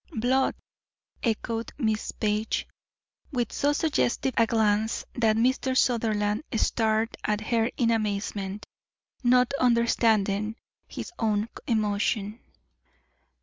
"Blood," echoed Miss Page, with so suggestive a glance that Mr. Sutherland stared at her in amazement, not understanding his own emotion.